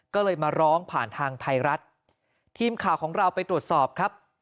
ก็เลยมาร้องผ่านทางไทยรัฐทีมข่าวของเราไปตรวจสอบครับ